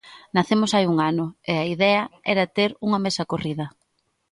Nacemos hai un ano, e a idea era ter unha mesa corrida.